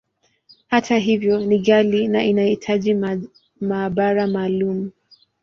Hata hivyo, ni ghali, na inahitaji maabara maalumu.